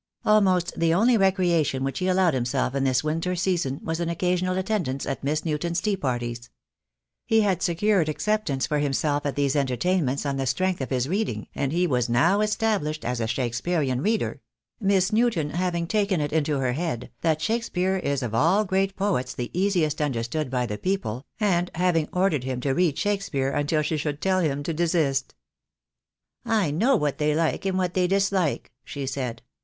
Almost the only recreation which he allowed himself in this winter season was an occasional attendance at Miss Newton's tea parties. He had secured acceptance for himself at these entertainments on the strength of his reading, and he was now established as a Shakspearian reader; Miss Newton having taken it into her head that 3* 36 THE DAY WILL COME. Shakspeare is of all great poets the easiest understood by the people, and having ordered him to read Shak speare until she should tell him to desist. "I know what they like and what they dislike," she said.